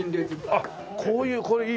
あっこういうこれいいよね。